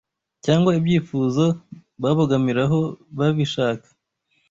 cyangwa ibyifuzo babogamiraho babishaka